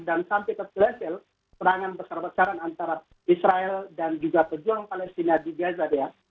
dan sampai terkesel serangan besar besaran antara israel dan juga pejuang palestina di gaza